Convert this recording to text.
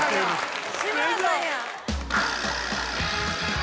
志村さんやん！